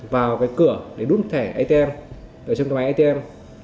vào cái cửa để đút thẻ atm ở trên cái máy atm